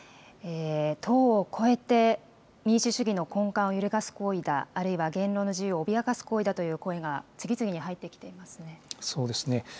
党を超えて民主主義の根幹を揺るがす行為だ、あるいは言論の自由を脅かす行為だという声が次々に入ってきていますね。